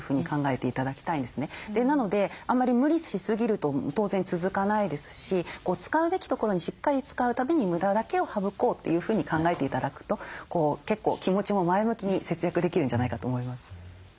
なのであまり無理しすぎると当然続かないですし使うべきところにしっかり使うために無駄だけを省こうというふうに考えて頂くと結構気持ちも前向きに節約できるんじゃないかと思います。